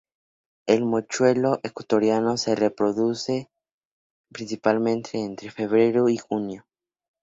El mochuelo ecuatoriano se reproduce principalmente entre febrero y junio.